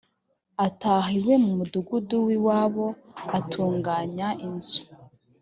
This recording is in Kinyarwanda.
ataha iwe mu mudugudu w iwabo atunganya inzu